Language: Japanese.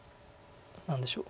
何でしょう